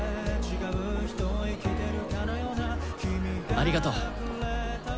ありがとう。